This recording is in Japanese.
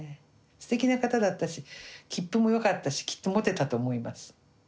すてきな方だったしきっぷもよかったしきっとモテたと思います。